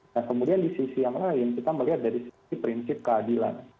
nah kemudian di sisi yang lain kita melihat dari sisi prinsip keadilan